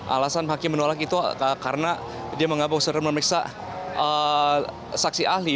alasan hakim menolak itu karena dia mengabak seram memirsa saksi ahli